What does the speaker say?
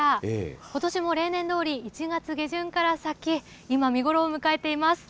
ことしも例年どおり、１月下旬から咲き、今、見頃を迎えています。